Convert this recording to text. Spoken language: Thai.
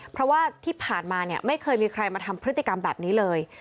เพราะว่าที่ผ่านมาเนี่ยไม่เคยมีใครมาทำพฤติกรรมแบบนี้เลย